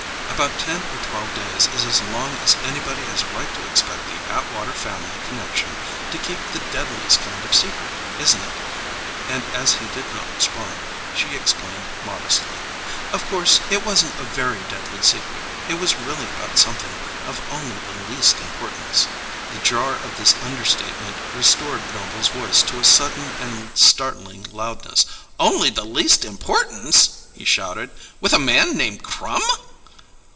About ten or twelve days is as long as anybody has a right to expect the Atwater family connection to keep the deadliest kind of a secret, isn't it?" And as he did not respond, she explained, modestly, "Of course, it wasn't a very deadly secret; it was really about something of only the least importance." The jar of this understatement restored Noble's voice to a sudden and startling loudness. "'Only the least importance'!" he shouted. "With a man named Crum!"